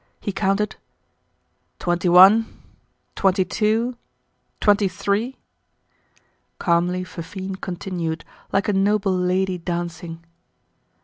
He counted: "Twenty one, twenty two, twenty three—" Calmly Fifine continued, like a noble lady dancing.